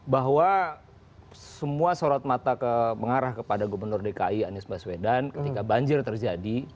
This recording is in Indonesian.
bahwa semua sorot mata mengarah kepada gubernur dki anies baswedan ketika banjir terjadi